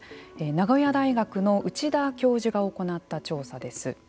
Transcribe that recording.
名古屋大学の内田教授が行った調査です。